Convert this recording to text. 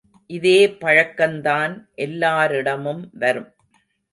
இதே பழக்கந்தான் எல்லாரிடமும் வரும்.